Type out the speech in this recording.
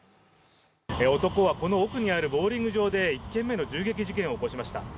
男はこの奥にあるボウリング場で１件目の銃撃事件を起こしました。